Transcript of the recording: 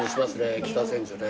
北千住ね。